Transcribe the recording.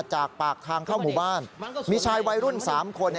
จากปากทางเข้าหมู่บ้านมีชายวัยรุ่น๓คน